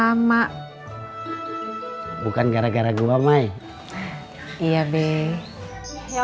kita berikut kernahan ke jerry bea